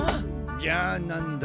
じゃあなんだ？